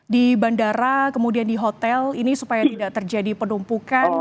di bandara kemudian di hotel ini supaya tidak terjadi penumpukan